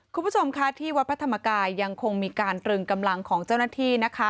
คุณผู้ชมค่ะที่วัดพระธรรมกายยังคงมีการตรึงกำลังของเจ้าหน้าที่นะคะ